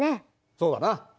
そうだな。